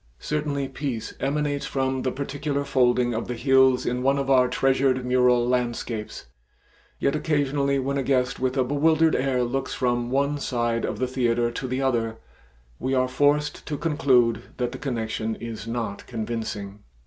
Certainly peace emanates from the particular folding of the hills in one of our treasured mural landscapes, yet occasionally when a guest with a bewildered air looks from one side of the theater to the other, we are forced to conclude that the connection is not convincing.